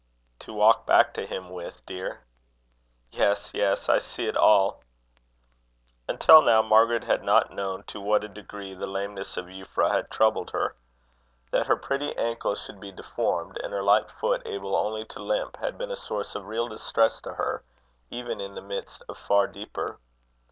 "To walk back to Him with, dear." "Yes, yes; I see it all." Until now, Margaret had not known to what a degree the lameness of Euphra had troubled her. That her pretty ankle should be deformed, and her light foot able only to limp, had been a source of real distress to her, even in the midst of far deeper.